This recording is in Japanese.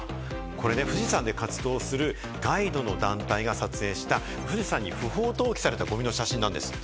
これね、富士山で活動するガイドの団体が撮影した富士山に不法投棄されたゴミの写真なんです。